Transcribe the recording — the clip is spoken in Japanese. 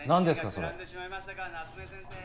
それ。